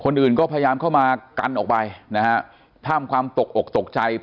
คนอื่นก็พยายามเข้ามากันออกไปนะฮะท่ามความตกอกตกใจ